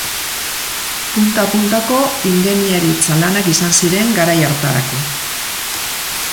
Punta-puntako ingeniaritza-lanak izan ziren garai hartarako.